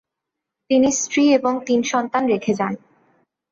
তিনি স্ত্রী এবং তিন সন্তান রেখে যান।